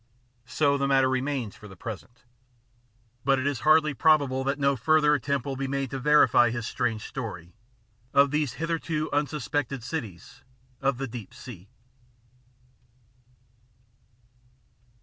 So the matter remains for the present. But it is hardly probable that no further attempt will be made to verify his strange story of these hitherto unsuspected cities of the deep sea.